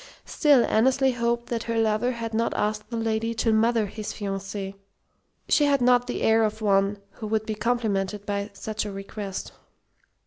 Still, Annesley hoped that her lover had not asked the lady to "mother" his fiancée. She had not the air of one who would be complimented by such a request.